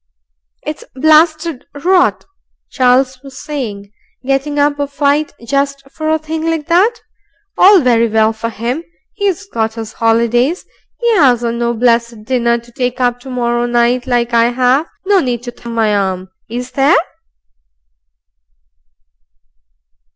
"It's blasted rot," Charles was saying, "getting up a fight just for a thing like that; all very well for 'im. 'E's got 'is 'olidays; 'e 'asn't no blessed dinner to take up to morrow night like I 'ave. No need to numb my arm, IS there?"